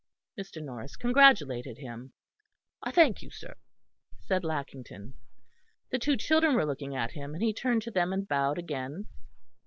Mr. Norris congratulated him. "I thank you, sir," said Lackington. The two children were looking at him; and he turned to them and bowed again.